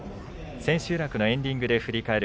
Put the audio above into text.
千秋楽のエンディングで振り返る